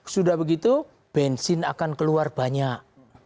sudah begitu bensin akan keluar banyak